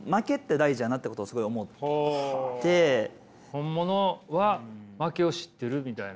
本物は負けを知ってるみたいな？